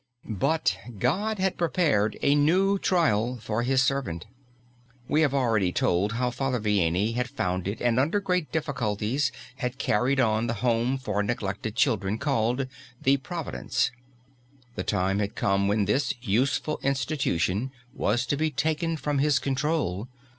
But God had prepared a new trial for His servant. We have already told how Father Vianney had founded and under great difficulties had carried on the home for neglected children called the "The Providence." The time had come when this useful institution was to be taken from his control.